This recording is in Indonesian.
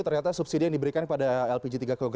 ternyata subsidi yang diberikan pada lpg tiga kg ini cukup besar